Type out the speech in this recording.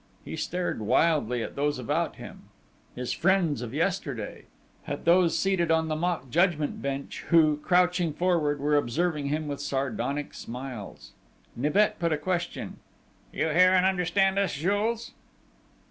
He stared wildly at those about him, his friends of yesterday, at those seated on the mock judgment bench who, crouching forward, were observing him with sardonic smiles. Nibet put a question. "You hear and understand us, Jules?"